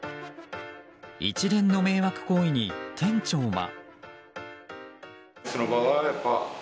一連の迷惑行為に店長は。